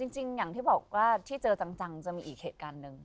จริงอย่างที่บอกว่าที่เจอจังจะมีอีกเหตุการณ์หนึ่ง